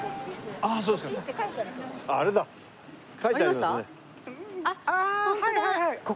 あはいはいはい。